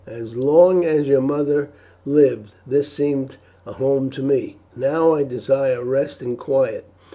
As long as your mother lived this seemed a home to me, now I desire rest and quiet.